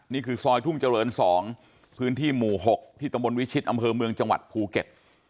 นี่คือซอยทุ่งเจริญ๒พื้นที่หมู่๖ที่ตำบลวิชิตอำเภอเมืองจังหวัดภูเก็ต